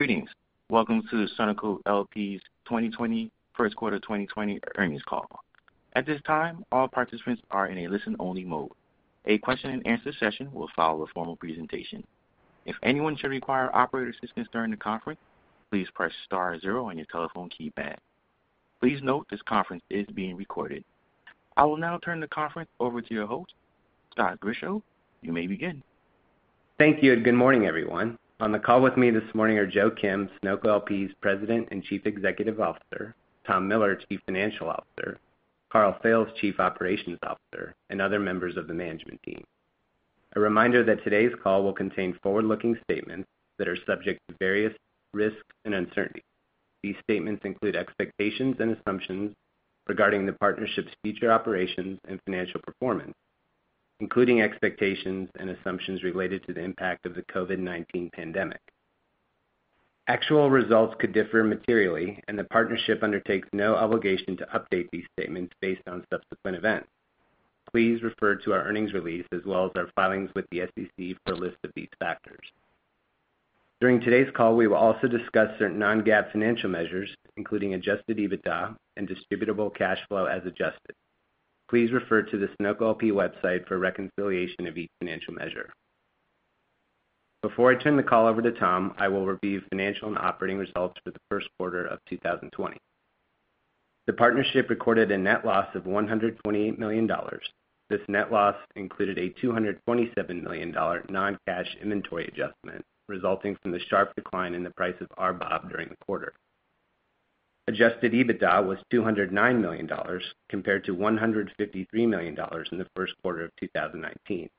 Greetings. Welcome to Sunoco LP's First Quarter 2020 Earnings call. At this time, all participants are in a listen only mode. A question and answer session will follow the formal presentation. If anyone should require operator assistance during the conference, please press star zero on your telephone keypad. Please note this conference is being recorded. I will now turn the conference over to your host, Scott Grischow. You may begin. Thank you. Good morning, everyone. On the call with me this morning are Joe Kim, Sunoco LP's President and Chief Executive Officer, Tom Miller, Chief Financial Officer, Karl Fails, Chief Operations Officer, and other members of the management team. A reminder that today's call will contain forward-looking statements that are subject to various risks and uncertainties. These statements include expectations and assumptions regarding the partnership's future operations and financial performance, including expectations and assumptions related to the impact of the COVID-19 pandemic. Actual results could differ materially. The partnership undertakes no obligation to update these statements based on subsequent events. Please refer to our earnings release as well as our filings with the SEC for a list of these factors. During today's call, we will also discuss certain non-GAAP financial measures, including adjusted EBITDA and distributable cash flow as adjusted. Please refer to the Sunoco LP website for a reconciliation of each financial measure. Before I turn the call over to Tom, I will review financial and operating results for the first quarter of 2020. The partnership recorded a net loss of $128 million. This net loss included a $227 million non-cash inventory adjustment resulting from the sharp decline in the price of RBOB during the quarter. Adjusted EBITDA was $209 million, compared to $153 million in the first quarter of 2019.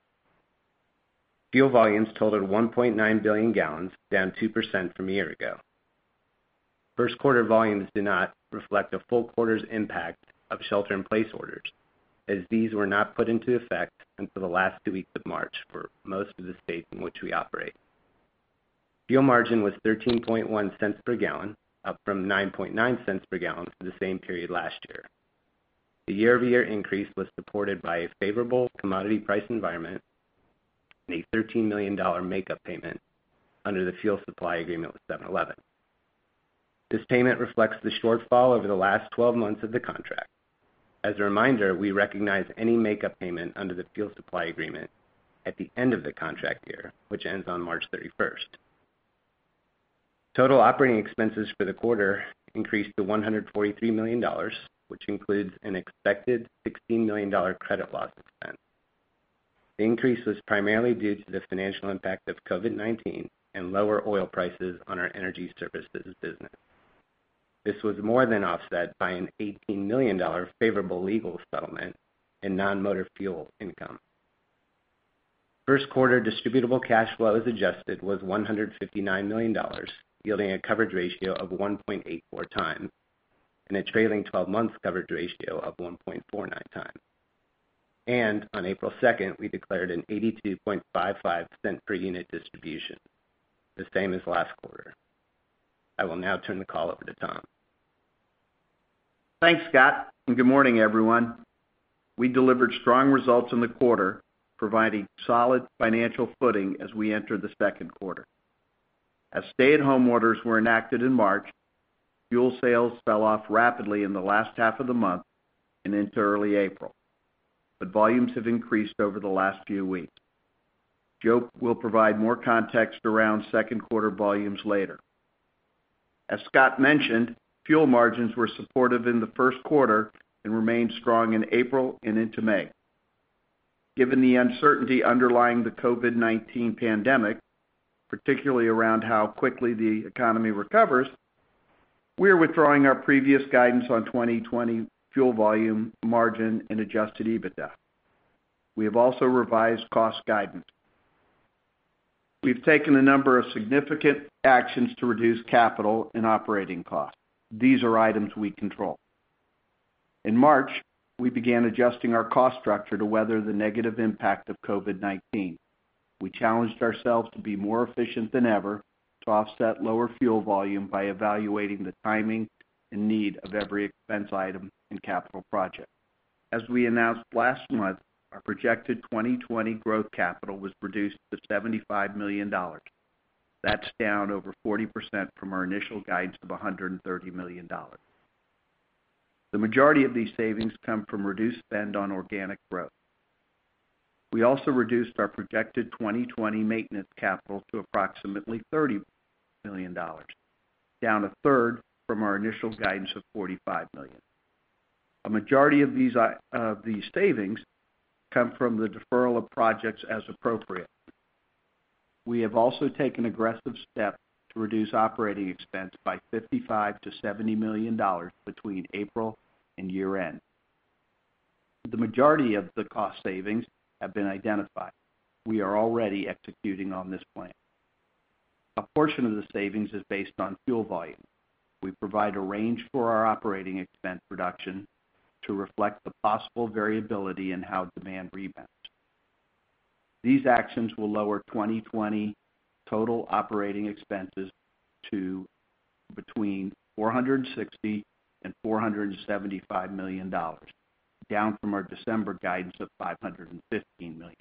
Fuel volumes totaled 1.9 billion gallons, down 2% from a year ago. First quarter volumes do not reflect a full quarter's impact of shelter in place orders, as these were not put into effect until the last two weeks of March for most of the states in which we operate. Fuel margin was $0.131 per gallon, up from $0.099 per gallon for the same period last year. The year-over-year increase was supported by a favorable commodity price environment and a $13 million makeup payment under the fuel supply agreement with 7-Eleven. This payment reflects the shortfall over the last 12 months of the contract. As a reminder, we recognize any makeup payment under the fuel supply agreement at the end of the contract year, which ends on March 31st. Total operating expenses for the quarter increased to $143 million, which includes an expected $16 million credit loss expense. The increase was primarily due to the financial impact of COVID-19 and lower oil prices on our energy services business. This was more than offset by an $18 million favorable legal settlement in non-motor fuel income. First quarter distributable cash flow as adjusted was $159 million, yielding a coverage ratio of 1.84x and a trailing 12 months coverage ratio of 1.49x. On April 2, we declared a $0.8255 per unit distribution, the same as last quarter. I will now turn the call over to Tom. Thanks, Scott. Good morning, everyone. We delivered strong results in the quarter, providing solid financial footing as we enter the second quarter. As stay-at-home orders were enacted in March, fuel sales fell off rapidly in the last half of the month and into early April. Volumes have increased over the last few weeks. Joe will provide more context around second quarter volumes later. As Scott mentioned, fuel margins were supportive in the first quarter and remain strong in April and into May. Given the uncertainty underlying the COVID-19 pandemic, particularly around how quickly the economy recovers, we are withdrawing our previous guidance on 2020 fuel volume, margin and adjusted EBITDA. We have also revised cost guidance. We've taken a number of significant actions to reduce capital and operating costs. These are items we control. In March, we began adjusting our cost structure to weather the negative impact of COVID-19. We challenged ourselves to be more efficient than ever to offset lower fuel volume by evaluating the timing and need of every expense item and capital project. As we announced last month, our projected 2020 growth capital was reduced to $75 million. That's down over 40% from our initial guidance of $130 million. The majority of these savings come from reduced spend on organic growth. We also reduced our projected 2020 maintenance capital to approximately $30 million, down a third from our initial guidance of $45 million. A majority of these savings come from the deferral of projects as appropriate. We have also taken aggressive steps to reduce operating expense by $55 million-$70 million between April and year-end. The majority of the cost savings have been identified. We are already executing on this plan. A portion of the savings is based on fuel volume. We provide a range for our operating expense reduction to reflect the possible variability in how demand rebounds. These actions will lower 2020 total operating expenses to between $460 million and $475 million, down from our December guidance of $515 million.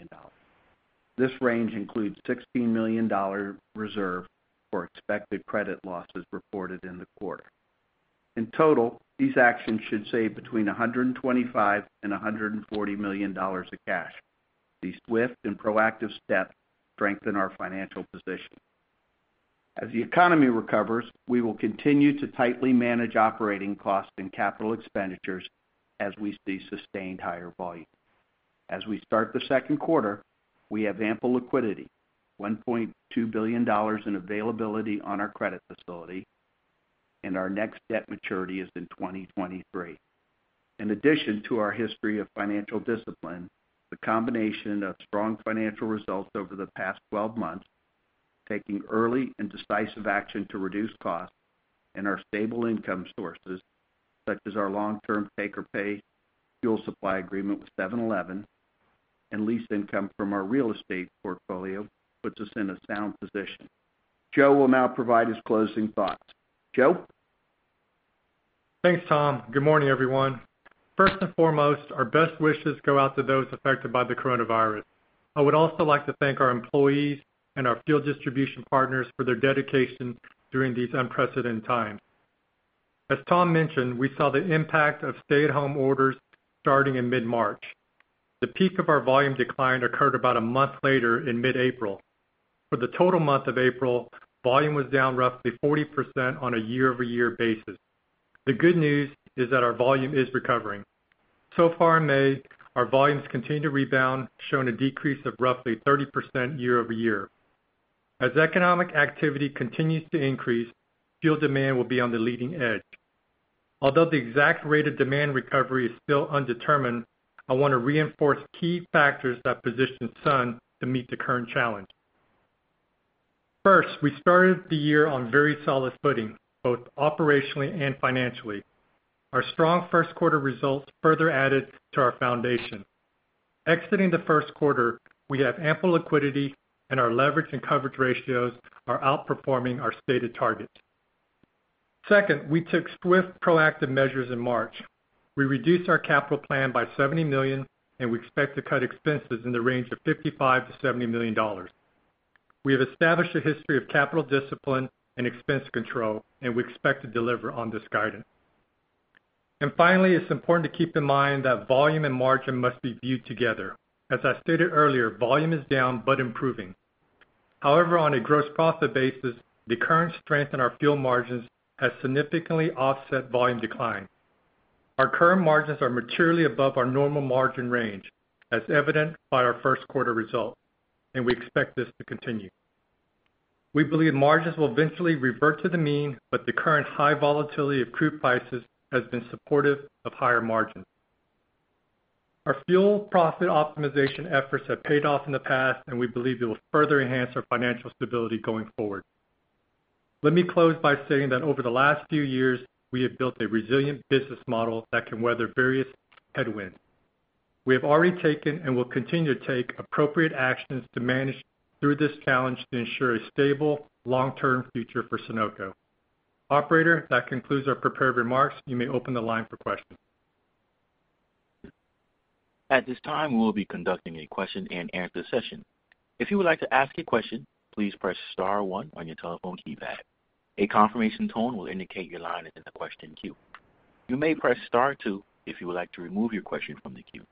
This range includes a $16 million reserve for expected credit losses reported in the quarter. In total, these actions should save between $125 million and $140 million of cash. These swift and proactive steps strengthen our financial position. As the economy recovers, we will continue to tightly manage operating costs and capital expenditures as we see sustained higher volume. As we start the second quarter, we have ample liquidity, $1.2 billion in availability on our credit facility, and our next debt maturity is in 2023. In addition to our history of financial discipline, the combination of strong financial results over the past 12 months, taking early and decisive action to reduce costs, and our stable income sources, such as our long-term take-or-pay fuel supply agreement with 7-Eleven, and lease income from our real estate portfolio, puts us in a sound position. Joe will now provide his closing thoughts. Joe? Thanks, Tom. Good morning, everyone. First and foremost, our best wishes go out to those affected by the coronavirus. I would also like to thank our employees and our field distribution partners for their dedication during these unprecedented times. As Tom mentioned, we saw the impact of stay-at-home orders starting in mid-March. The peak of our volume decline occurred about a month later in mid-April. For the total month of April, volume was down roughly 40% on a year-over-year basis. The good news is that our volume is recovering. Far in May, our volumes continue to rebound, showing a decrease of roughly 30% year-over-year. As economic activity continues to increase, fuel demand will be on the leading edge. Although the exact rate of demand recovery is still undetermined, I want to reinforce key factors that position Suno to meet the current challenge. First, we started the year on very solid footing, both operationally and financially. Our strong first quarter results further added to our foundation. Exiting the first quarter, we have ample liquidity, and our leverage and coverage ratios are outperforming our stated targets. Second, we took swift, proactive measures in March. We reduced our capital plan by $70 million, and we expect to cut expenses in the range of $55 million-$70 million. We have established a history of capital discipline and expense control, and we expect to deliver on this guidance. Finally, it's important to keep in mind that volume and margin must be viewed together. As I stated earlier, volume is down, but improving. However, on a gross profit basis, the current strength in our fuel margins has significantly offset volume decline. Our current margins are materially above our normal margin range, as evident by our first quarter results, and we expect this to continue. We believe margins will eventually revert to the mean, but the current high volatility of crude prices has been supportive of higher margins. Our fuel profit optimization efforts have paid off in the past, and we believe it will further enhance our financial stability going forward. Let me close by saying that over the last few years, we have built a resilient business model that can weather various headwinds. We have already taken, and will continue to take, appropriate actions to manage through this challenge to ensure a stable, long-term future for Sunoco. Operator, that concludes our prepared remarks. You may open the line for questions. At this time, we will be conducting a question and answer session. If you would like to ask a question, please press star one on your telephone keypad. A confirmation tone will indicate your line is in the question queue. You may press star two if you would like to remove your question from the queue.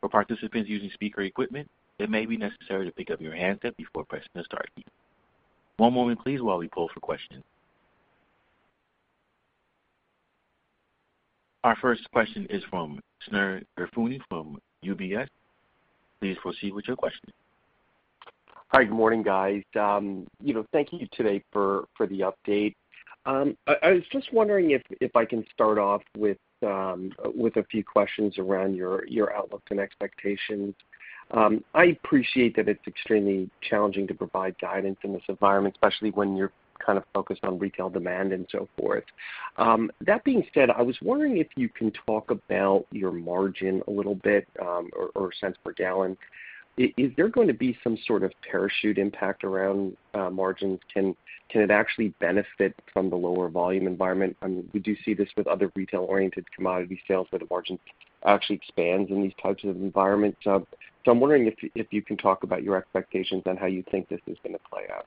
For participants using speaker equipment, it may be necessary to pick up your handset before pressing the star key. One moment please while we poll for questions. Our first question is from Shneur Gershuni from UBS. Please proceed with your question. Hi, good morning, guys. Thank you today for the update. I was just wondering if I can start off with a few questions around your outlook and expectations. I appreciate that it's extremely challenging to provide guidance in this environment, especially when you're kind of focused on retail demand and so forth. That being said, I was wondering if you can talk about your margin a little bit, or cents per gallon. Is there going to be some sort of parachute impact around margins? Can it actually benefit from the lower volume environment? We do see this with other retail-oriented commodity sales, where the margin actually expands in these types of environments. I'm wondering if you can talk about your expectations on how you think this is going to play out.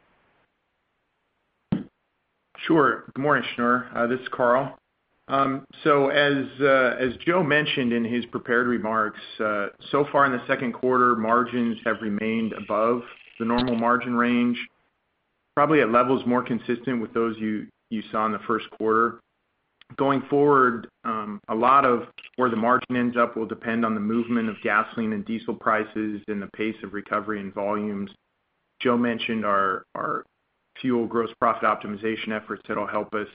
Sure. Good morning, Shneur. This is Karl. As Joseph mentioned in his prepared remarks, so far in the second quarter, margins have remained above the normal margin range, probably at levels more consistent with those you saw in the first quarter. Going forward, a lot of where the margin ends up will depend on the movement of gasoline and diesel prices and the pace of recovery in volumes. Joe mentioned our fuel gross profit optimization efforts that'll help us.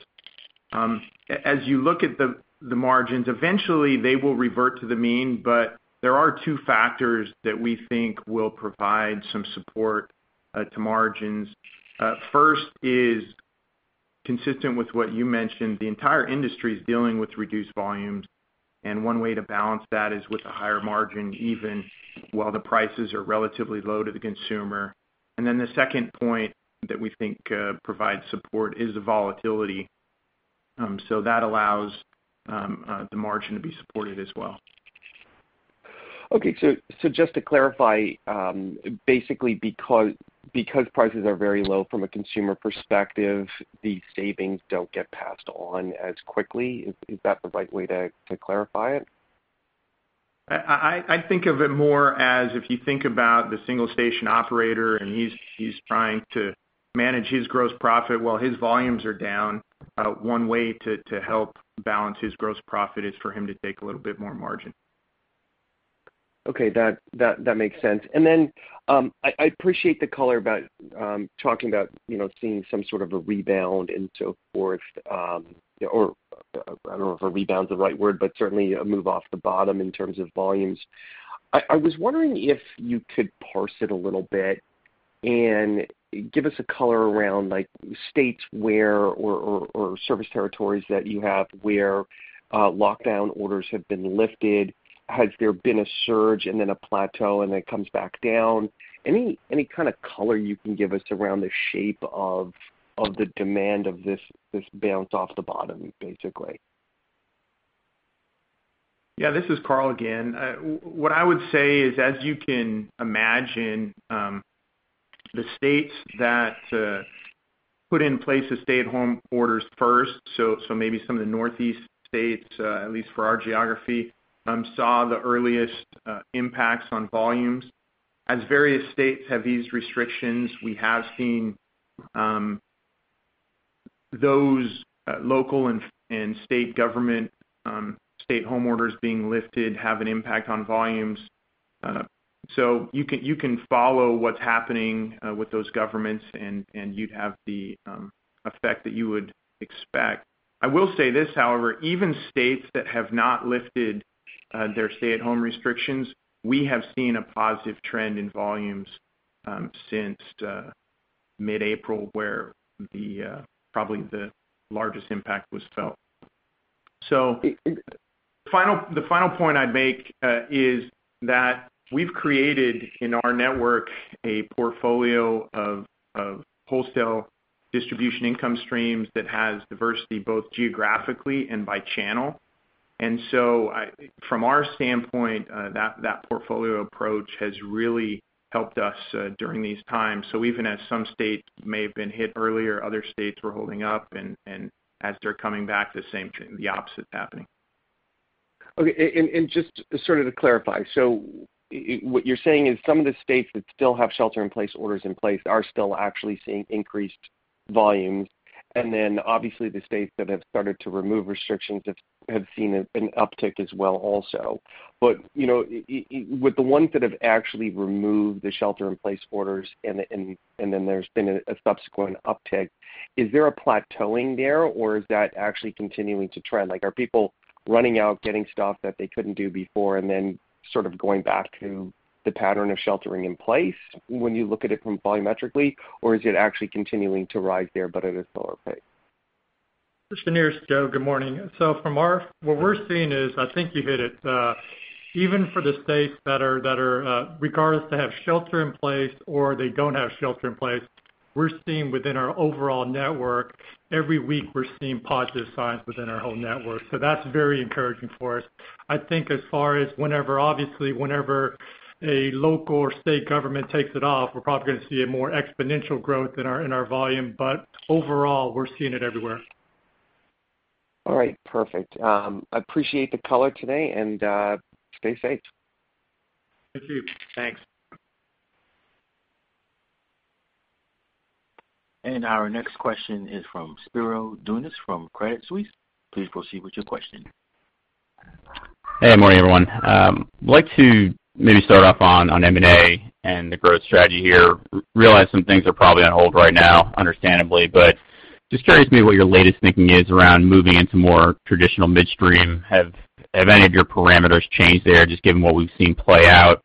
As you look at the margins, eventually they will revert to the mean, there are two factors that we think will provide some support to margins. First is consistent with what you mentioned. The entire industry is dealing with reduced volumes. And one way to balance that is with a higher margin, even while the prices are relatively low to the consumer. The second point that we think provides support is the volatility. That allows the margin to be supported as well. Okay. Just to clarify, basically because prices are very low from a consumer perspective, the savings don't get passed on as quickly. Is that the right way to clarify it? I think of it more as if you think about the single station operator, and he's trying to manage his gross profit while his volumes are down. One way to help balance his gross profit is for him to take a little bit more margin. Okay. That makes sense. I appreciate the color about talking about seeing some sort of a rebound and so forth, or I don't know if a rebound's the right word, but certainly a move off the bottom in terms of volumes. I was wondering if you could parse it a little bit and give us a color around states where, or service territories that you have where, lockdown orders have been lifted. Has there been a surge and then a plateau and it comes back down? Any kind of color you can give us around the shape of the demand of this bounce off the bottom, basically? Yeah, this is Karl again. What I would say is, as you can imagine, the states that put in place the stay-at-home orders first, so maybe some of the Northeast states, at least for our geography, saw the earliest impacts on volumes. As various states have these restrictions, we have seen those local and state home orders being lifted have an impact on volumes. You can follow what's happening with those governments, and you'd have the effect that you would expect. I will say this, however, even states that have not lifted their stay-at-home restrictions, we have seen a positive trend in volumes since mid-April, where probably the largest impact was felt. The final point I'd make is that we've created in our network a portfolio of wholesale distribution income streams that has diversity both geographically and by channel. From our standpoint, that portfolio approach has really helped us during these times. Even as some states may have been hit earlier, other states were holding up, and as they're coming back, the opposite is happening. Okay. Just to clarify, so what you're saying is some of the states that still have shelter-in-place orders in place are still actually seeing increased volumes, and then obviously the states that have started to remove restrictions have seen an uptick as well also. With the ones that have actually removed the shelter-in-place orders and then there's been a subsequent uptick, is there a plateauing there, or is that actually continuing to trend? Are people running out, getting stuff that they couldn't do before, and then sort of going back to the pattern of sheltering in place when you look at it volumetrically, or is it actually continuing to rise there but at a slower pace? This is Joe. Good morning. What we're seeing is, I think you hit it. Even for the states that are regardless they have shelter in place or they don't have shelter in place, we're seeing within our overall network, every week we're seeing positive signs within our whole network. That's very encouraging for us. I think as far as obviously whenever a local or state government takes it off, we're probably going to see a more exponential growth in our volume. Overall, we're seeing it everywhere. All right, perfect. I appreciate the color today, and stay safe. You too. Thanks. Our next question is from Spiro Dounis from Credit Suisse. Please proceed with your question. Hey, morning, everyone. I'd like to maybe start off on M&A and the growth strategy here. Realize some things are probably on hold right now, understandably, but just curious maybe what your latest thinking is around moving into more traditional midstream. Have any of your parameters changed there, just given what we've seen play out?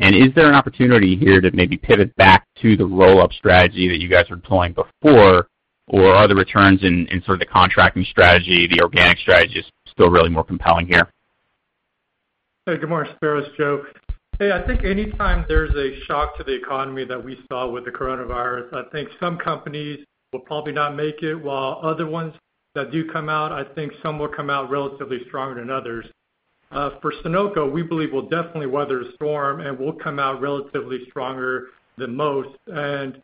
Is there an opportunity here to maybe pivot back to the roll-up strategy that you guys were toying before, or are the returns in sort of the contracting strategy, the organic strategy, still really more compelling here? Hey, good morning, Spiro. It's Joe. Hey, I think anytime there's a shock to the economy that we saw with the coronavirus, I think some companies will probably not make it, while other ones that do come out, I think some will come out relatively stronger than others. For Sunoco, we believe we'll definitely weather the storm, and we'll come out relatively stronger than most. We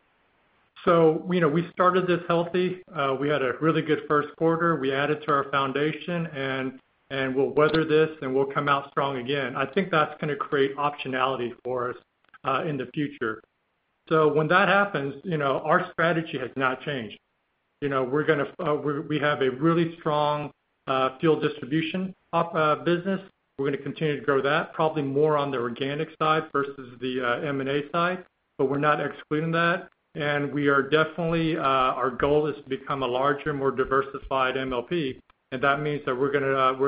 started this healthy. We had a really good first quarter. We added to our foundation, and we'll weather this, and we'll come out strong again. I think that's going to create optionality for us, in the future. When that happens, our strategy has not changed. We have a really strong fuel distribution business. We're going to continue to grow that, probably more on the organic side versus the M&A side, but we're not excluding that. our goal is to become a larger, more diversified MLP, and that means that we're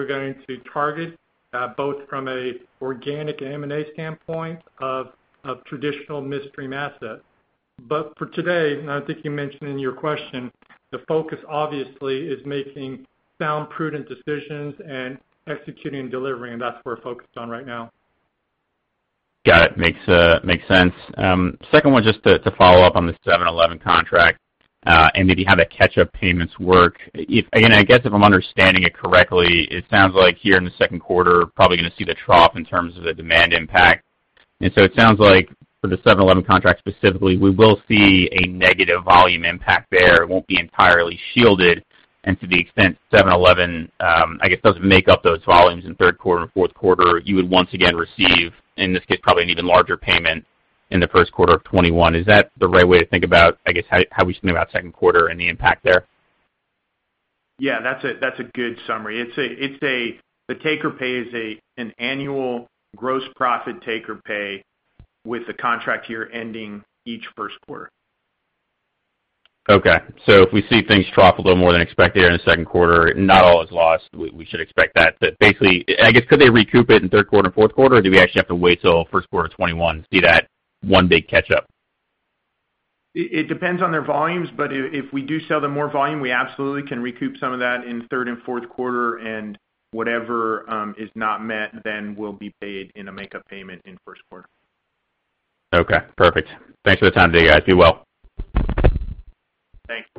going to target both from a organic M&A standpoint of traditional midstream assets. for today, and I think you mentioned in your question, the focus obviously is making sound prudent decisions and executing and delivering, and that's what we're focused on right now. Got it. Makes sense. Second one, just to follow up on the 7-Eleven contract. Maybe how the catch-up payments work. Again, I guess if I'm understanding it correctly, it sounds like here in the second quarter, probably going to see the trough in terms of the demand impact. It sounds like for the 7-Eleven contract specifically, we will see a negative volume impact there. It won't be entirely shielded. To the extent 7-Eleven, I guess, doesn't make up those volumes in third quarter and fourth quarter, you would once again receive, in this case, probably an even larger payment in the first quarter of 2021. Is that the right way to think about, I guess, how we think about second quarter and the impact there? Yeah, that's a good summary. The take or pay is an annual gross profit take or pay with the contract year ending each first quarter. Okay. If we see things trough a little more than expected there in the second quarter, not all is lost. We should expect that. Basically, I guess, could they recoup it in third quarter and fourth quarter, or do we actually have to wait till first quarter of 2021 to see that one big catch-up? It depends on their volumes, but if we do sell them more volume, we absolutely can recoup some of that in third and fourth quarter, and whatever is not met then will be paid in a make-up payment in first quarter. Okay, perfect. Thanks for the time today, guys. Do well. Thanks.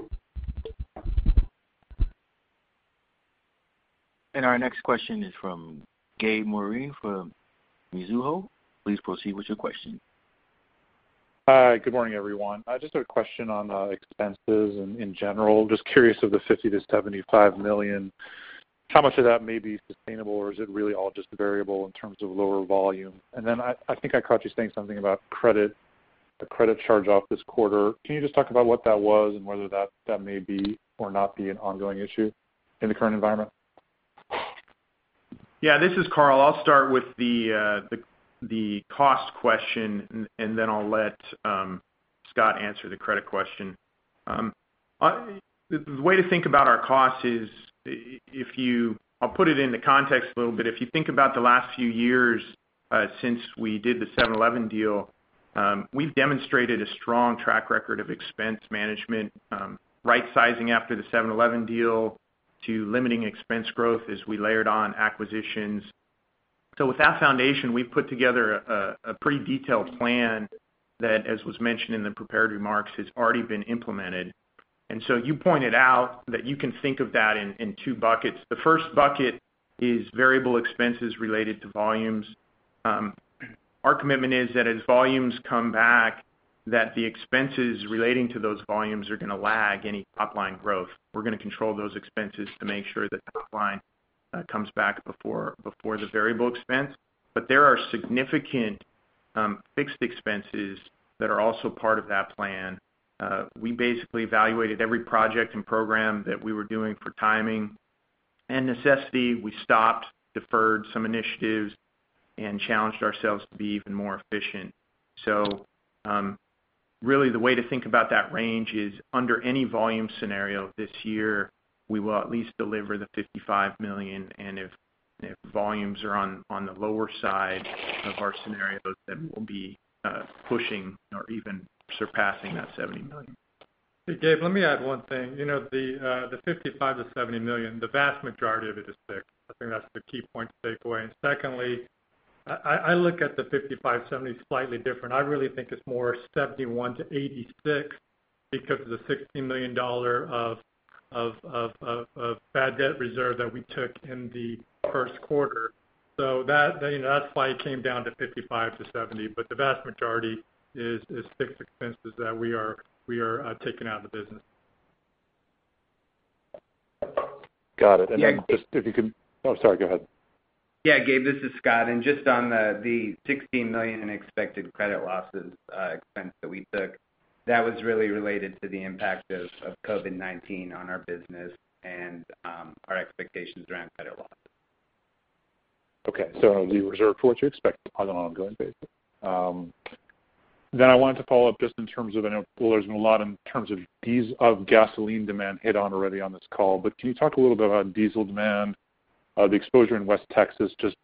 our next question is from Gabriel Moreen from Mizuho. Please proceed with your question. Hi, good morning, everyone. Just a question on expenses in general. Just curious of the $50 million-$75 million, how much of that may be sustainable, or is it really all just variable in terms of lower volume? I think I caught you saying something about credit, the credit charge-off this quarter. Can you just talk about what that was and whether that may be or not be an ongoing issue in the current environment? Yeah, this is Karl. I'll start with the cost question, and then I'll let Scott answer the credit question. The way to think about our cost is, I'll put it in the context a little bit. If you think about the last few years since we did the 7-Eleven deal, we've demonstrated a strong track record of expense management, right-sizing after the 7-Eleven deal to limiting expense growth as we layered on acquisitions. With that foundation, we've put together a pretty detailed plan that, as was mentioned in the prepared remarks, has already been implemented. You pointed out that you can think of that in two buckets. The first bucket is variable expenses related to volumes. Our commitment is that as volumes come back, that the expenses relating to those volumes are going to lag any top-line growth. We're going to control those expenses to make sure that top line comes back before the variable expense. There are significant fixed expenses that are also part of that plan. We basically evaluated every project and program that we were doing for timing and necessity. We stopped, deferred some initiatives, and challenged ourselves to be even more efficient. Really the way to think about that range is under any volume scenario this year, we will at least deliver the $55 million, and if volumes are on the lower side of our scenarios, then we'll be pushing or even surpassing that $70 million. Hey, Gabe, let me add one thing. The $55 million-$70 million, the vast majority of it is fixed. I think that's the key point to take away. secondly, I look at the $55 million, $70 million slightly different. I really think it's more $71 million-$86 million because of the $16 million of bad debt reserve that we took in the first quarter. that's why it came down to $55 million-$70 million. The vast majority is fixed expenses that we are taking out of the business. Got it. Oh, sorry, go ahead. Yeah, Gabe, this is Scott. Just on the $16 million in expected credit losses expense that we took, that was really related to the impact of COVID-19 on our business and our expectations around credit losses. Okay, you reserve for what you expect on an ongoing basis. I wanted to follow up just in terms of, I know there's been a lot in terms of gasoline demand hit on already on this call, but can you talk a little bit about diesel demand, the exposure in West Texas, just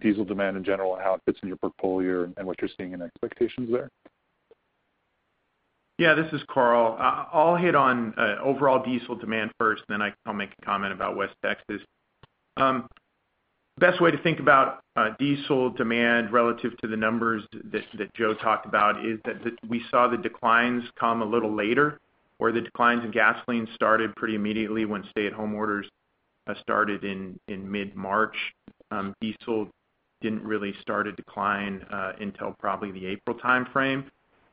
diesel demand in general and how it fits in your portfolio and what you're seeing in expectations there? Yeah, this is Karl. I'll hit on overall diesel demand first, then I'll make a comment about West Texas. Best way to think about diesel demand relative to the numbers that Joe talked about is that we saw the declines come a little later. Where the declines in gasoline started pretty immediately when stay-at-home orders started in mid-March. Diesel didn't really start decline until the April time frame.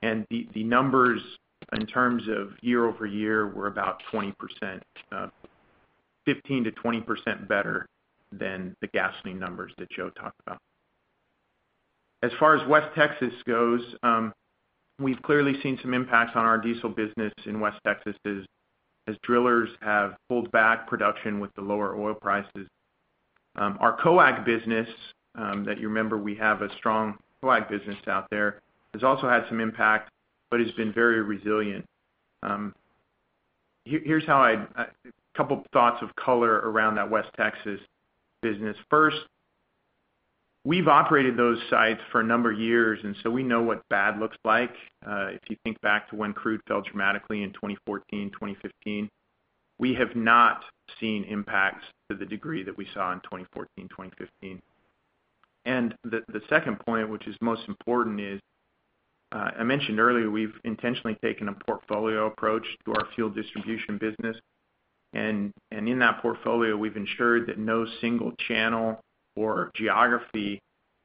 The numbers in terms of year-over-year were about 15%-20% better than the gasoline numbers that Joe talked about. As far as West Texas goes, we've clearly seen some impacts on our diesel business in West Texas as drillers have pulled back production with the lower oil prices. Our COAM business, that you remember, we have a strong COAM business out there, has also had some impact, but has been very resilient. A couple thoughts of color around that West Texas business. First we've operated those sites for a number of years, and so we know what bad looks like. If you think back to when crude fell dramatically in 2014, 2015, we have not seen impacts to the degree that we saw in 2014, 2015. The second point, which is most important, is I mentioned earlier, we've intentionally taken a portfolio approach to our fuel distribution business. In that portfolio, we've ensured that no single channel or geography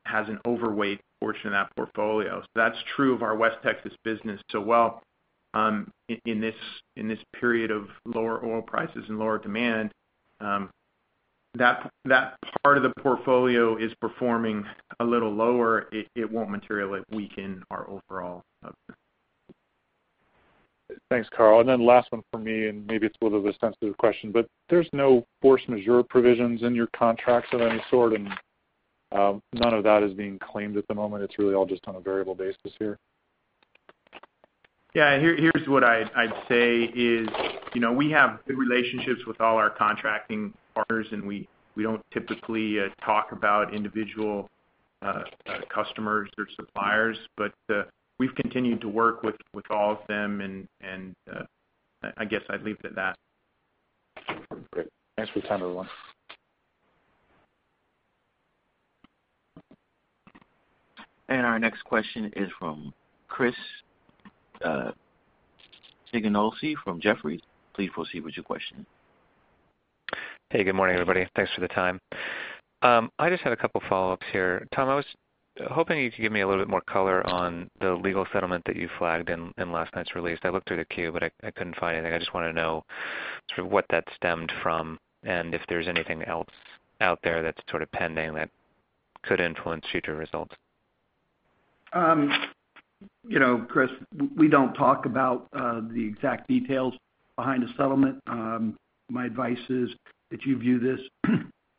has an overweight portion of that portfolio. That's true of our West Texas business as well, in this period of lower oil prices and lower demand, that part of the portfolio is performing a little lower. It won't materially weaken our overall. Thanks, Karl. then last one from me, and maybe it's a little bit of a sensitive question, but there's no force majeure provisions in your contracts of any sort, and none of that is being claimed at the moment. It's really all just on a variable basis here. Yeah. Here's what I'd say is we have good relationships with all our contracting partners, and we don't typically talk about individual customers or suppliers, but we've continued to work with all of them, and I guess I'd leave it at that. Great. Thanks for your time, everyone. our next question is from Chris Sighinolfi from Jefferies. Please proceed with your question. Hey, good morning, everybody. Thanks for the time. I just had a couple of follow-ups here. Thomas, I was hoping you could give me a little bit more color on the legal settlement that you flagged in last night's release. I looked through the Q, but I couldn't find anything. I just want to know sort of what that stemmed from and if there's anything else out there that's sort of pending that could influence future results. Chris, we don't talk about the exact details behind a settlement. My advice is that you view this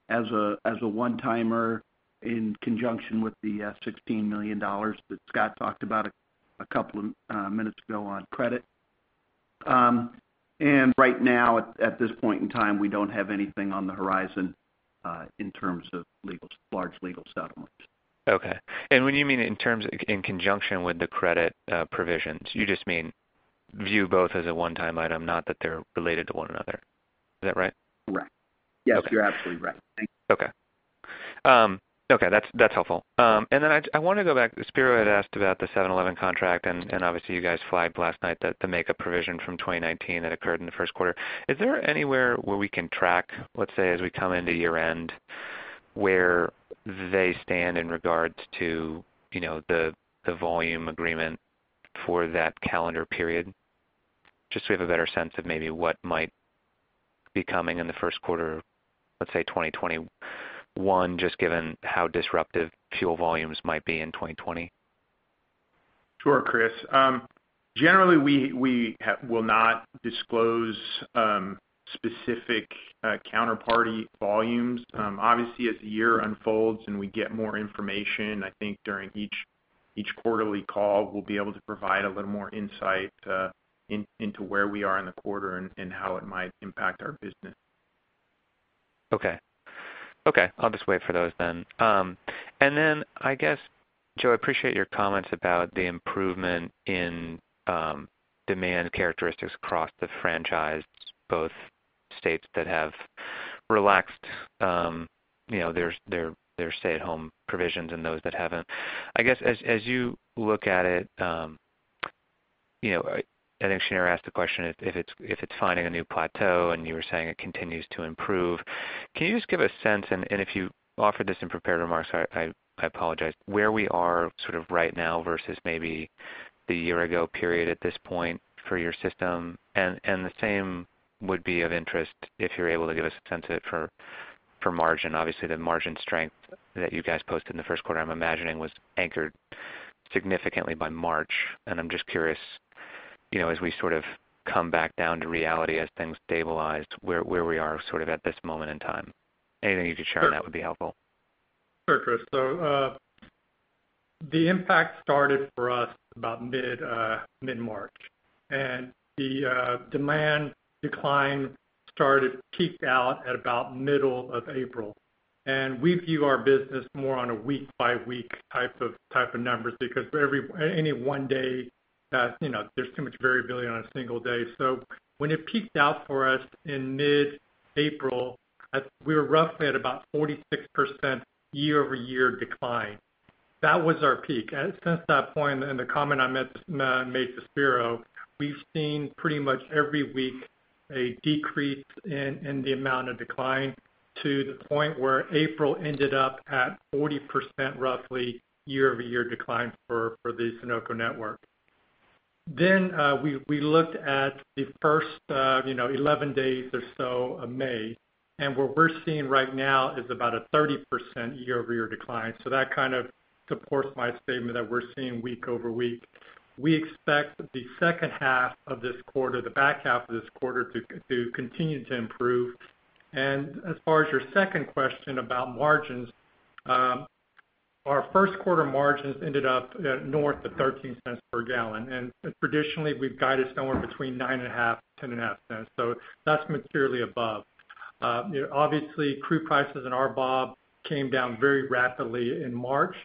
as a one-timer in conjunction with the $16 million that Scott talked about a couple of minutes ago on credit. Right now, at this point in time, we don't have anything on the horizon in terms of large legal settlements. Okay. When you mean in conjunction with the credit provisions, you just mean view both as a one-time item, not that they're related to one another. Is that right? Correct. Okay. Yes, you're absolutely right. Thank you. Okay. That's helpful. I want to go back. Spiro had asked about the 7-Eleven contract, and obviously you guys flagged last night the makeup provision from 2019 that occurred in the first quarter. Is there anywhere where we can track, let's say, as we come into year-end, where they stand in regards to the volume agreement for that calendar period? Just so we have a better sense of maybe what might be coming in the first quarter of, let's say, 2021, just given how disruptive fuel volumes might be in 2020. Sure, Chris. Generally, we will not disclose specific counterparty volumes. Obviously, as the year unfolds and we get more information, I think during each quarterly call, we'll be able to provide a little more insight into where we are in the quarter and how it might impact our business. Okay. I'll just wait for those then. I guess, Joe, I appreciate your comments about the improvement in demand characteristics across the franchise, both states that have relaxed their stay-at-home provisions and those that haven't. I guess, as you look at it, I think Shneur asked the question, if it's finding a new plateau and you were saying it continues to improve. Can you just give a sense, and if you offered this in prepared remarks, I apologize, where we are sort of right now versus maybe the year ago period at this point for your system? The same would be of interest if you're able to give us a sense of it for margin. Obviously, the margin strength that you guys posted in the first quarter, I'm imagining, was anchored significantly by March, and I'm just curious, as we sort of come back down to reality as things stabilize, where we are sort of at this moment in time. Anything you can share on that would be helpful? Sure, Chris. The impact started for us about mid-March, and the demand decline started, peaked out at about middle of April. We view our business more on a week-by-week type of numbers, because any one day, there's too much variability on a single day. When it peaked out for us in mid-April, we were roughly at about 46% year-over-year decline. That was our peak. Since that point and the comment I made to Spiro, we've seen pretty much every week a decrease in the amount of decline to the point where April ended up at 40% roughly year-over-year decline for the Sunoco network. We looked at the first 11 days or so of May, and what we're seeing right now is about a 30% year-over-year decline. That kind of supports my statement that we're seeing week over week. We expect the second half of this quarter, the back half of this quarter, to continue to improve. As far as your second question about margins, our first quarter margins ended up north of $0.13 per gallon. Traditionally we've guided somewhere between $0.095 and $0.105. That's materially above. Obviously, crude prices and RBOB came down very rapidly in March.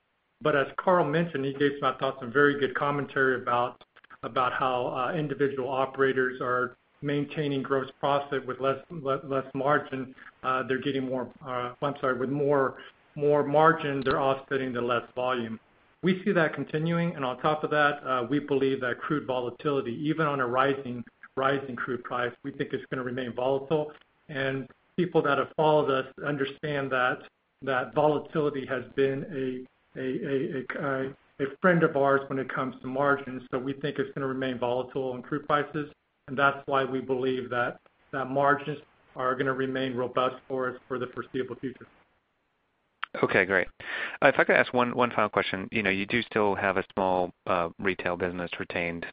As Karl mentioned, he gave some, I thought, some very good commentary about how individual operators are maintaining gross profit with less margin. They're getting with more margin, they're offsetting the less volume. We see that continuing, and on top of that, we believe that crude volatility, even on a rising crude price, we think it's going to remain volatile. People that have followed us understand that volatility has been a friend of ours when it comes to margins. We think it's going to remain volatile on crude prices, and that's why we believe that margins are going to remain robust for us for the foreseeable future. Okay, great. If I could ask one final question. You do still have a small retail business retained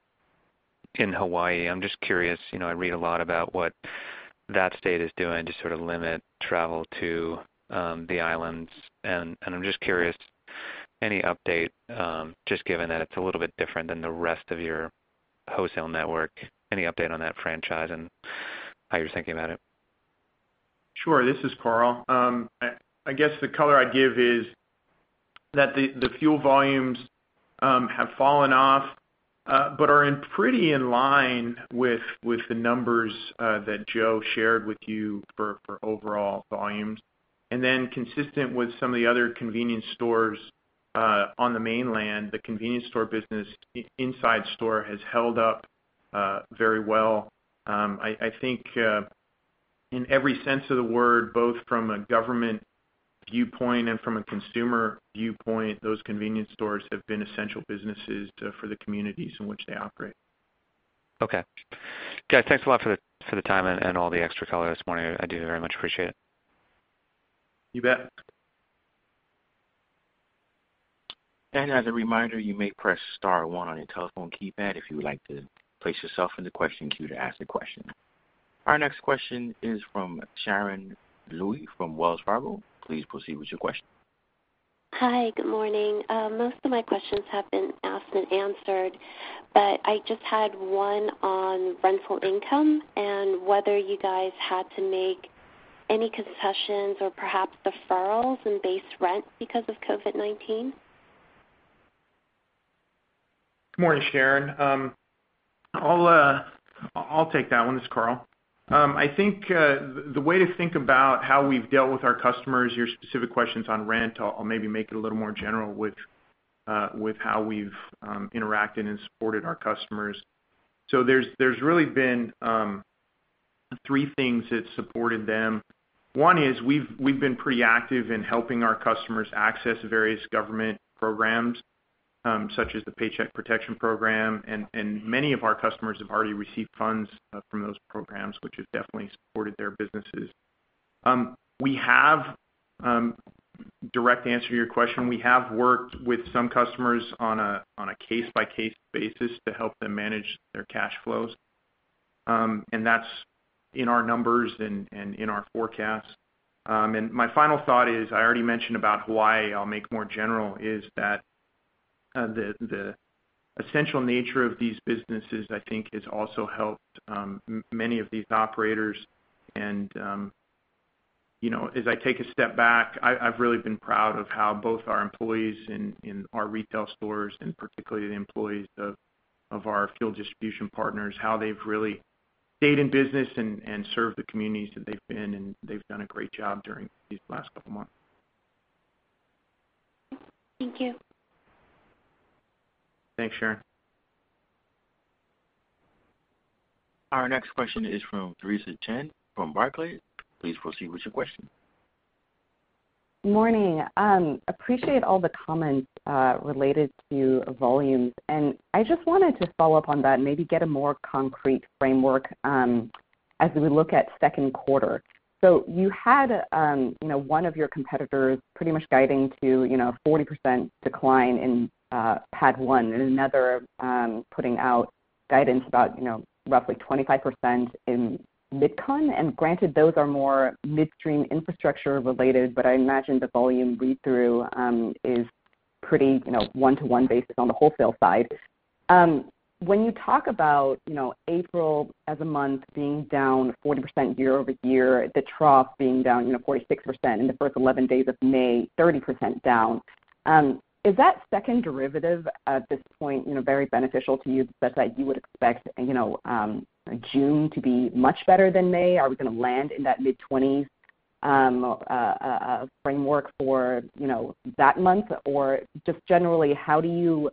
in Hawaii. I'm just curious, I read a lot about what that state is doing to sort of limit travel to the islands. I'm just curious, any update, just given that it's a little bit different than the rest of your wholesale network, any update on that franchise and how you're thinking about it? Sure. This is Karl. I guess the color I'd give is that the fuel volumes have fallen off, but are pretty in line with the numbers that Joe shared with you for overall volumes. consistent with some of the other convenience stores on the mainland, the convenience store business inside store has held up very well. I think, in every sense of the word, both from a government viewpoint and from a consumer viewpoint, those convenience stores have been essential businesses for the communities in which they operate. Okay. Guys, thanks a lot for the time and all the extra color this morning. I do very much appreciate it. You bet. as a reminder, you may press star one on your telephone keypad if you would like to place yourself in the question queue to ask a question. Our next question is from Sharon Lui from Wells Fargo. Please proceed with your question. Hi, good morning. Most of my questions have been asked and answered, but I just had one on rental income and whether you guys had to make any concessions or perhaps deferrals in base rent because of COVID-19. Morning, Sharon. I'll take that one. It's Karl. I think, the way to think about how we've dealt with our customers, your specific questions on rent, I'll maybe make it a little more general with how we've interacted and supported our customers. There's really been three things that supported them. One is we've been pretty active in helping our customers access various government programs, such as the Paycheck Protection Program, and many of our customers have already received funds from those programs, which has definitely supported their businesses. Direct answer to your question, we have worked with some customers on a case-by-case basis to help them manage their cash flows. That's in our numbers and in our forecast. My final thought is, I already mentioned about Hawaii, I'll make more general, is that the essential nature of these businesses, I think, has also helped many of these operators. as I take a step back, I've really been proud of how both our employees in our retail stores and particularly the employees of our fuel distribution partners, how they've really stayed in business and served the communities that they've been in, they've done a great job during these last couple months. Thank you. Thanks, Sharon. Our next question is from Theresa Chen from Barclays. Please proceed with your question. Morning. Appreciate all the comments related to volumes. I just wanted to follow up on that and maybe get a more concrete framework as we look at second quarter. You had one of your competitors pretty much guiding to 40% decline in PADD 1, and another putting out guidance about roughly 25% in mid-con. Granted, those are more midstream infrastructure related, but I imagine the volume read-through is pretty one-to-one basis on the wholesale side. When you talk about April as a month being down 40% year-over-year, the trough being down 46% in the first 11 days of May, 30% down. Is that second derivative at this point very beneficial to you such that you would expect June to be much better than May? Are we going to land in that mid-20s framework for that month? just generally, how do you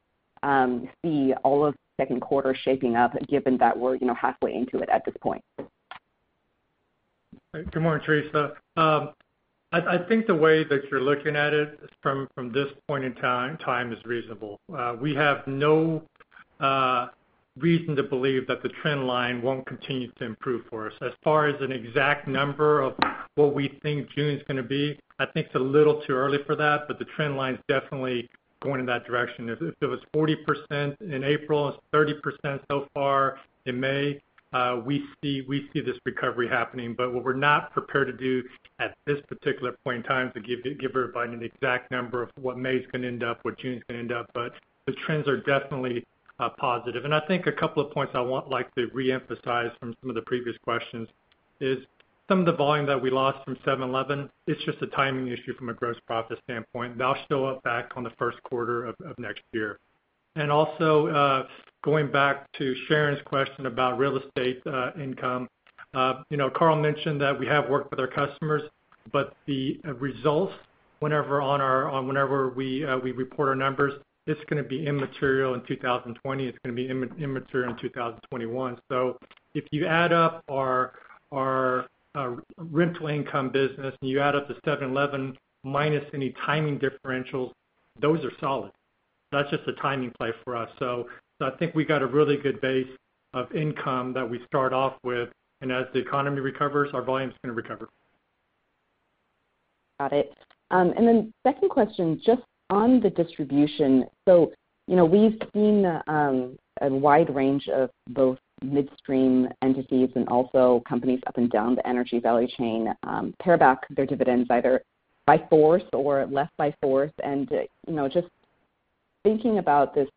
see all of second quarter shaping up, given that we're halfway into it at this point? Good morning, Theresa. I think the way that you're looking at it from this point in time is reasonable. We have no reason to believe that the trend line won't continue to improve for us. As far as an exact number of what we think June's going to be, I think it's a little too early for that, but the trend line's definitely going in that direction. If it was 40% in April and it's 30% so far in May, we see this recovery happening. What we're not prepared to do at this particular point in time, is to give everybody an exact number of what May's going to end up, what June's going to end up. The trends are definitely positive. I think a couple of points I want like to reemphasize from some of the previous questions. Is some of the volume that we lost from 7-Eleven, it's just a timing issue from a gross profit standpoint. That'll show up back on the first quarter of next year. also, going back to Sharon's question about real estate income. Karl mentioned that we have worked with our customers, but the results, whenever we report our numbers, it's going to be immaterial in 2020, it's going to be immaterial in 2021. if you add up our rental income business and you add up the 7-Eleven minus any timing differentials, those are solid. That's just a timing play for us. I think we got a really good base of income that we start off with, and as the economy recovers, our volume's going to recover. Got it. Second question, just on the distribution. We've seen a wide range of both midstream entities and also companies up and down the energy value chain pare back their dividends, either by force or less by force. Just thinking about this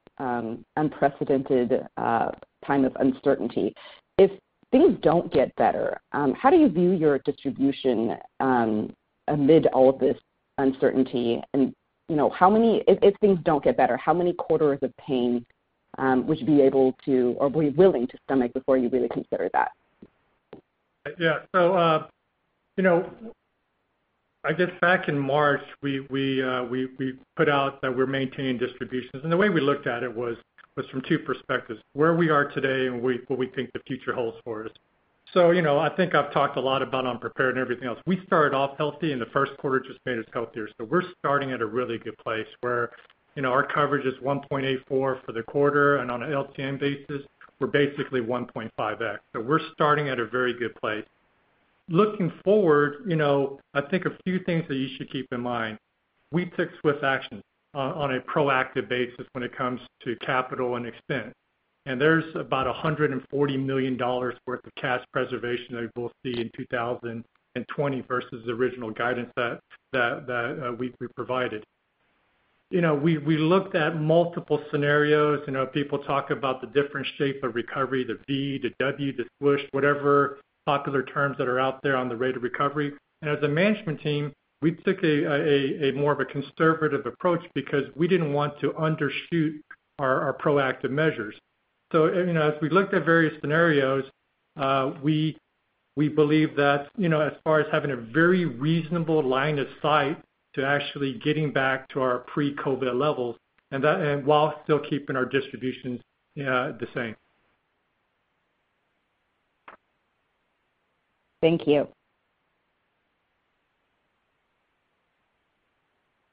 unprecedented time of uncertainty, if things don't get better, how do you view your distribution amid all of this uncertainty and, if things don't get better, how many quarters of pain would you be able to, or be willing to stomach before you really consider that? Yeah. I guess back in March, we put out that we're maintaining distributions. The way we looked at it was from two perspectives, where we are today and what we think the future holds for us. I think I've talked a lot about on prepared and everything else. We started off healthy, and the first quarter just made us healthier. We're starting at a really good place, where our coverage is 1.84 for the quarter, and on an LTM basis, we're basically 1.5x. We're starting at a very good place. Looking forward, I think a few things that you should keep in mind. We took swift action on a proactive basis when it comes to capital and expense. There's about $140 million worth of cash preservation that you will see in 2020 versus the original guidance that we provided. We looked at multiple scenarios. People talk about the different shape of recovery, the V, the W, the swoosh, whatever popular terms that are out there on the rate of recovery. As a management team, we took a more of a conservative approach because we didn't want to undershoot our proactive measures. As we looked at various scenarios, we believe that as far as having a very reasonable line of sight to actually getting back to our pre-COVID levels, and while still keeping our distributions the same. Thank you.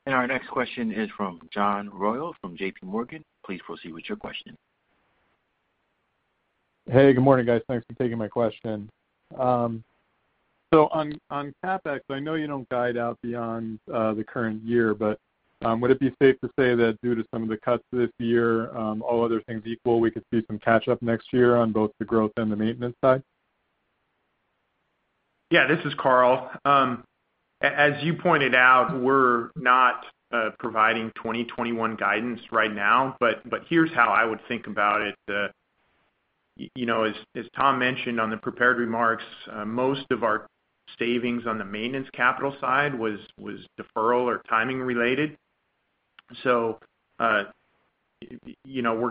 Our next question is from John Royall from JP Morgan. Please proceed with your question. Hey, good morning, guys. Thanks for taking my question. On CapEx, I know you don't guide out beyond the current year, but would it be safe to say that due to some of the cuts this year, all other things equal, we could see some catch-up next year on both the growth and the maintenance side? Yeah. This is Karl. As you pointed out, we're not providing 2021 guidance right now, but here's how I would think about it. As Tom mentioned on the prepared remarks, most of our savings on the maintenance capital side was deferral or timing related. We're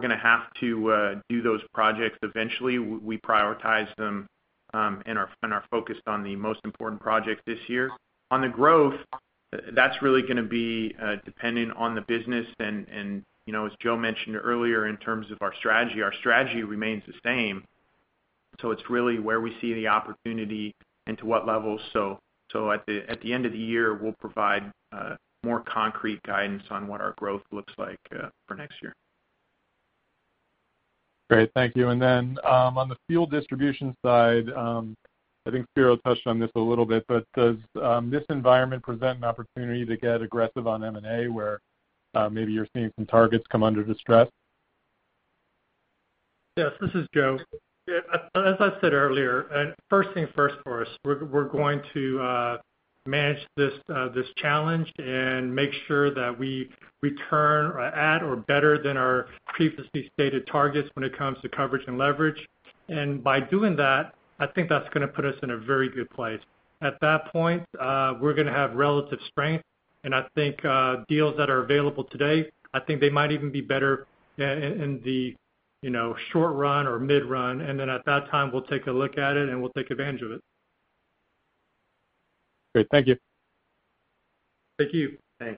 going to have to do those projects eventually. We prioritize them and are focused on the most important projects this year. On the growth, that's really going to be dependent on the business and, as Joe mentioned earlier, in terms of our strategy, our strategy remains the same. It's really where we see the opportunity and to what levels. At the end of the year, we'll provide more concrete guidance on what our growth looks like for next year. Great. Thank you. On the fuel distribution side, I think Spiro touched on this a little bit, but does this environment present an opportunity to get aggressive on M&A where maybe you're seeing some targets come under distress? Yes. This is Joe. As I said earlier, first things first for us. We're going to manage this challenge and make sure that we return at or better than our previously stated targets when it comes to coverage and leverage. By doing that, I think that's going to put us in a very good place. At that point, we're going to have relative strength, and I think deals that are available today, I think they might even be better in the short run or mid-run. At that time, we'll take a look at it, and we'll take advantage of it. Great. Thank you. Thank you. Thanks.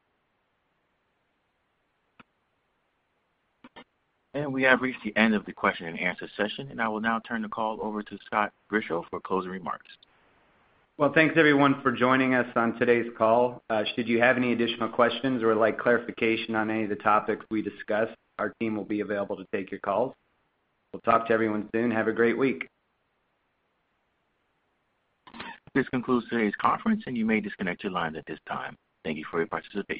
We have reached the end of the question and answer session. I will now turn the call over to Scott Grischow for closing remarks. Well, thanks everyone for joining us on today's call. Should you have any additional questions or would like clarification on any of the topics we discussed, our team will be available to take your calls. We'll talk to everyone soon. Have a great week. This concludes today's conference, and you may disconnect your lines at this time. Thank you for your participation.